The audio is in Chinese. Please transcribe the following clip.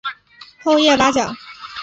厚叶八角